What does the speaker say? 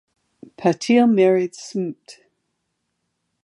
Patil married Smt.